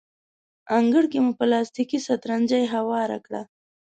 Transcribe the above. انګړ کې مو پلاستیکي سترنجۍ هواره کړه.